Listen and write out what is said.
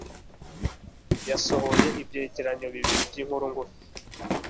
Yasohoye ibyegeranyo bibiri byinkuru ngufi.